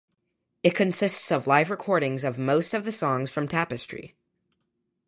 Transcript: It consists of live recordings of most of the songs from "Tapestry".